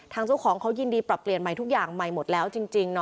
เจ้าของเขายินดีปรับเปลี่ยนใหม่ทุกอย่างใหม่หมดแล้วจริง